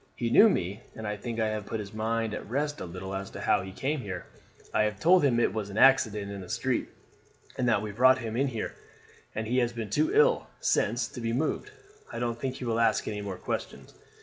He knew me, and I think I have put his mind at rest a little as to how he came here. I have told him it was an accident in the street, and that we brought him in here, and he has been too ill since to be moved. I don't think he will ask any more questions.